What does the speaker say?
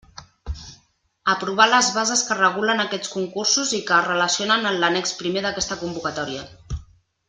Aprovar les bases que regulen aquests concursos i que es relacionen en l'annex primer d'aquesta convocatòria.